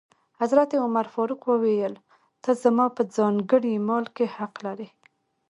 حضرت عمر فاروق وویل: ته زما په ځانګړي مال کې حق لرې.